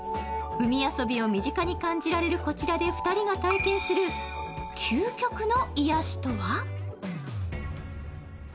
海遊びを身近に感じられるこちらで２人が体験する究極の癒やしとは？